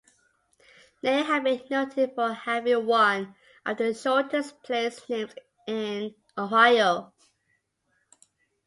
Ney has been noted for having one of the shortest place names in Ohio.